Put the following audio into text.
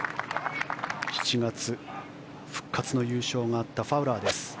７月、復活の優勝があったファウラーです。